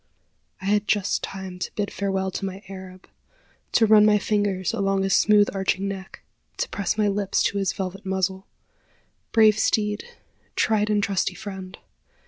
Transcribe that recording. I had just time to bid farewell to my Arab to run my fingers along his smooth arching neck to press my lips to his velvet muzzle. Brave steed! tried and trusty friend!